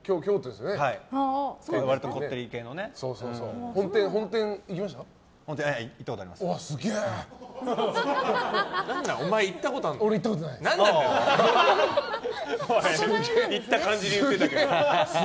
すげえ行った感じで言ってたけど。